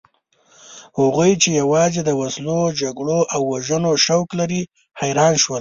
هغوی چې یوازې د وسلو، جګړو او وژنو شوق لري حیران شول.